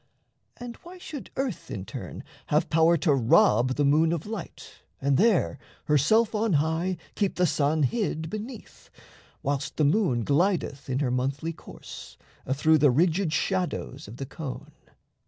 And why should earth in turn Have power to rob the moon of light, and there, Herself on high, keep the sun hid beneath, Whilst the moon glideth in her monthly course Athrough the rigid shadows of the cone?